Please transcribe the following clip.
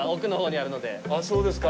ああ、そうですか。